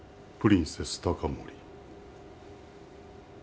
プリンセス高森。